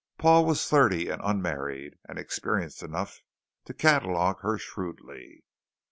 Paul was thirty and unmarried, and experienced enough to catalogue her shrewdly.